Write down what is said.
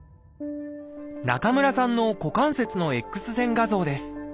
中村さんの股関節のＸ線画像です。